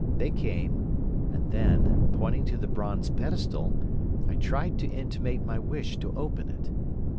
They came, and then, pointing to the bronze pedestal, I tried to intimate my wish to open it.